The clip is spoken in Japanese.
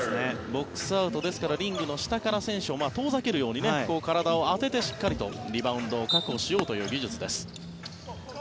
ボックスアウトリングの下から選手を遠ざけるように体を当ててしっかりとリバウンドを確保しようという技術です。